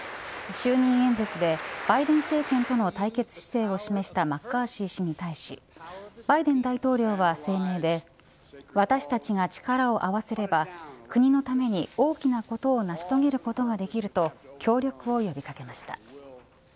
就任演説でバイデン政権との対決姿勢を示したマッカーシー氏に対しバイデン大統領は声明で私たちが力を合わせれば国のために大きなことを成し遂げることができると協力を呼び掛けました。